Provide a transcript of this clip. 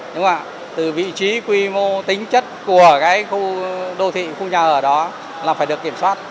nhưng mà từ vị trí quy mô tính chất của cái khu đô thị khu nhà ở đó là phải được kiểm soát